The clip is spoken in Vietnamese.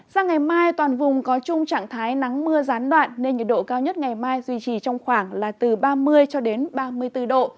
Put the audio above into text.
sang ngày mai toàn vùng có chung trạng thái nắng mưa gián đoạn nên nhiệt độ cao nhất ngày mai duy trì trong khoảng là từ ba mươi cho đến ba mươi bốn độ